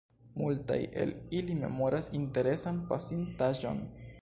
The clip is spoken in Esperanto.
Multaj el ili memoras interesan pasin-taĵon.